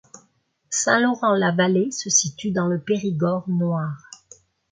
Saint-Laurent-la-Vallée se situe dans le Périgord noir.